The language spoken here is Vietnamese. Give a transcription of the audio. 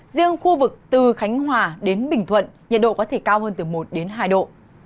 riêng khu vực từ khánh hòa đến bình thuận nhiệt độ có thể cao hơn từ một đến hai độ